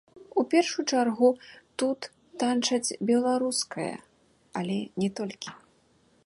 У першую чаргу тут танчаць беларускае, але не толькі.